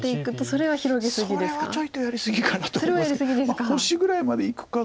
それはやり過ぎですか。